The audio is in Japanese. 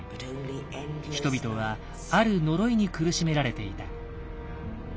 人々はある「呪い」に苦しめられていた。